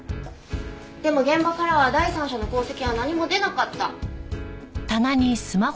でも現場からは第三者の痕跡は何も出なかった。